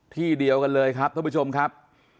ที่เดียวกันเลยครับท่านผู้ชมครับ